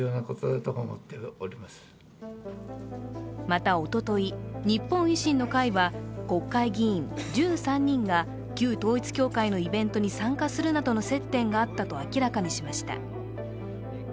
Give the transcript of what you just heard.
また、おととい、日本維新の会は国会議員１３人が旧統一教会のイベントに参加するなどの接点があったと明らかにしました。